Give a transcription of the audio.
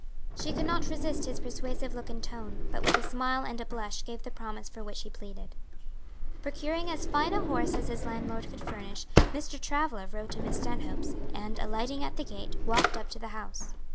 She could not resist his persuasive look and tone, but with a smile and a blush gave the promise for which he pleaded. Procuring as fine a horse as his landlord could furnish, Mr. Travilla rode to Miss Stanhope's, and alighting at the gate, walked up to the house.